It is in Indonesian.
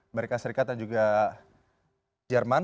amerika serikat dan juga jerman